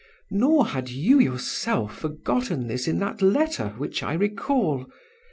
Nor had you yourself forgotten this in that letter which I recall.